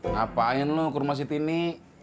ngapain lo ke rumah siti ini